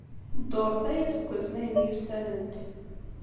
Dduṛt aya seg wasmi ay myussanent.